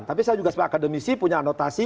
tapi saya juga sebagai akademisi punya anotasi